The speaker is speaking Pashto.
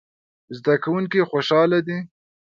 زده کوونکي خوشحاله دي